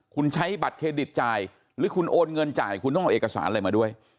คุณใช้บัตรเครดิตจ่ายหรือคุณโอนเงินจ่ายคุณต้องเอาเอกสารอะไรมาด้วย